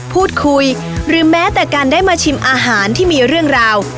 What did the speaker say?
พูดคุยหรือแม้แต่การได้มาชิมอาหารที่มีเรื่องราว